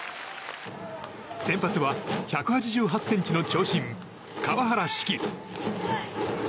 先発は１８８ｃｍの長身、川原嗣貴。